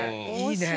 いいね。